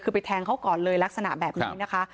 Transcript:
คือไปแทงเขาก่อนเลยลักษณะแบบนี้นะคะ